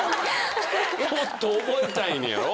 もっと覚えたいねやろ？